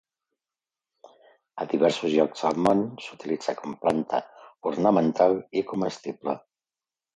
A diversos llocs del món s'utilitza com planta ornamental i comestible.